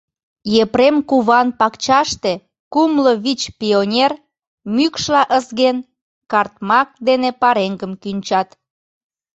Епрем куван пакчаште кумло вич пионер, мӱкшла ызген, картмак дене пареҥгым кӱнчат.